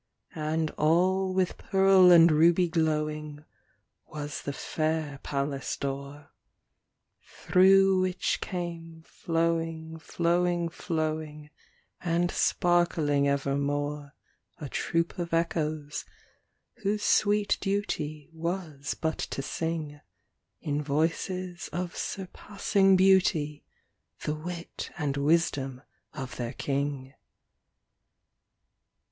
And all with pearl and ruby glowing Was the fair palace door, Through which came flowing, flowing, flowing, And sparkling evermore, A troop of Echoes, whose sweet duty Was but to sing, In voices of surpassing beauty, The wit and wisdom of their king.